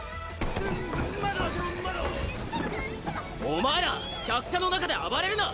お前ら客車の中で暴れるな！